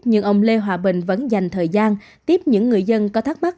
nhưng ông lê hòa bình vẫn dành thời gian tiếp những người dân có thắc mắc